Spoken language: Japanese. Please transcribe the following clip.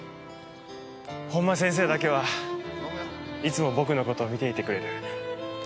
本間先生だけはいつも僕のことを見ていてくれる。